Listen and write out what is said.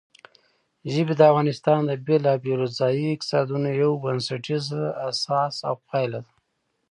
ژبې د افغانستان د بېلابېلو ځایي اقتصادونو یو بنسټیزه اساس او پایایه ده.